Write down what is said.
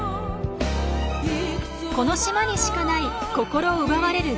この島にしかない心奪われる絶景。